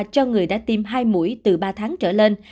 cho người đã tiêm hai mũi từ ba tháng trở lên